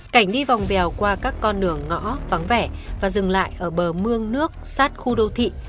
cảnh đi vòng bèo qua các con đường ngõ vắng vẻ và dừng lại ở bờ mương nước sát khu đô thị